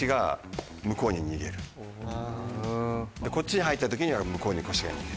でこっちに入った時には向こうに腰が逃げる。